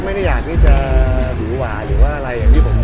ไม่ต้องจัดการว่ากันนี้